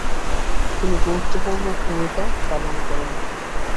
তিনি গুরত্বপূর্ণ ভূমিকা পালন করেন।